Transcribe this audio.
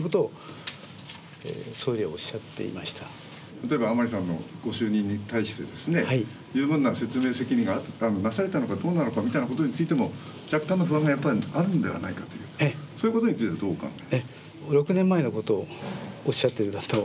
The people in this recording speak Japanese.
例えば甘利さんのご就任に対して十分な説明責任がなされたのかどうかなのかみたいなことについても若干の不安があるのではないかそういうことについてどうお考えですか？